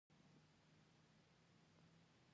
زراعت د افغانستان یو لوی طبعي ثروت دی.